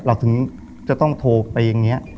เราถึงจะต้องโทรไปอย่างนี้